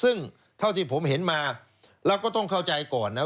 ซึ่งเท่าที่ผมเห็นมาเราก็ต้องเข้าใจก่อนนะ